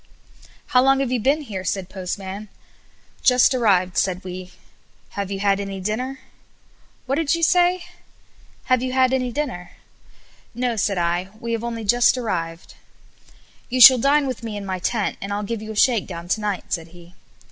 "How long have you been here?" said Postman. "Just arrived," said we. "Have you had any dinner?" "What did you say?" "Have you had any dinner?" "No," said I, "we have only just arrived. "You shall dine with me in my tent, and I'll give you a shakedown to night," said he.